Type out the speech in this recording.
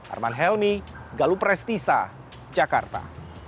arman helmi galup restisa jakarta